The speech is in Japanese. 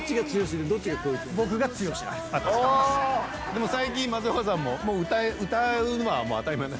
でも最近松岡さんも歌うのは当たり前になって。